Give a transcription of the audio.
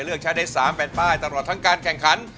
เลือกใช้ได้๓แผ่นป้ายตลอดทั้งการแข่งขัน